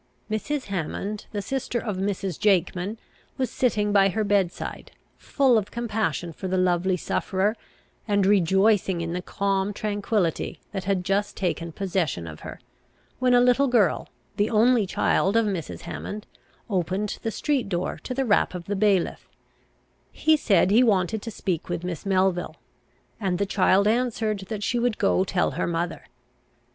Mrs. Hammond, the sister of Mrs. Jakeman, was sitting by her bed side, full of compassion for the lovely sufferer, and rejoicing in the calm tranquillity that had just taken possession of her, when a little girl, the only child of Mrs. Hammond, opened the street door to the rap of the bailiff He said he wanted to speak with Miss Melville, and the child answered that she would go tell her mother.